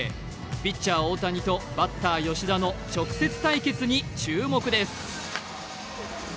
ピッチャー・大谷とバッター・吉田の直接対決に注目です。